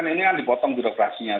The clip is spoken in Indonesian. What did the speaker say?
ini kan dipotong birokrasinya